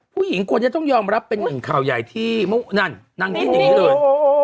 ผู้หญิงคนนี้ต้องยอมรับเป็นหนึ่งข่าวใหญ่ที่นั่นนางดิ้นอย่างนี้เลย